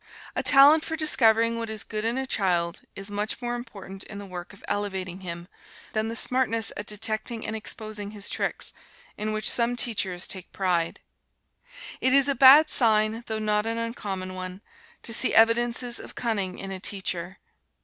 A talent for discovering what is good in a child is much more important in the work of elevating him, than the smartness at detecting and exposing his tricks, in which some teachers take pride. It is a bad sign, though not an uncommon one, to see evidences of cunning in a teacher.